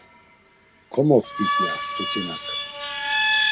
Komoft̆it, ya mtutinak.